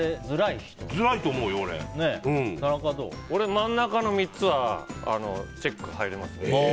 俺、真ん中の３つはチェックが入りますね。